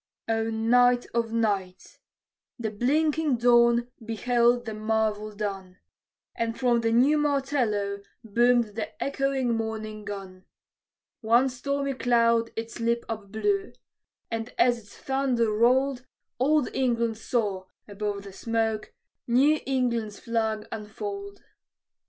O night of nights! The blinking dawn beheld the marvel done, And from the new martello boomed the echoing morning gun. One stormy cloud its lip upblew; and as its thunder rolled, Old England saw, above the smoke, New England's flag unfold.